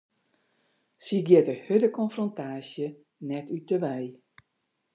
Sy giet de hurde konfrontaasje net út 'e wei.